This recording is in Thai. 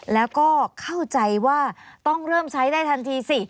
แล้วก็เข้าใจว่าต้องเริ่มใช้ได้ทันทีสิ